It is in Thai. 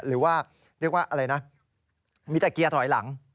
หรือว่าเรียกว่าอะไรนะมีแต่เกียร์ถอยหลัง